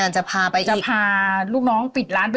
ใช่